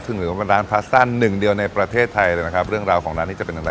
ซึ่งถือว่าเป็นร้านพลาสตันหนึ่งเดียวในประเทศไทยเลยนะครับเรื่องราวของร้านนี้จะเป็นอะไร